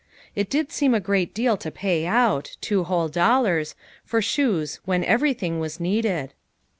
It did seem a great deal to pay out two whole dollars for shoes when everything was needed.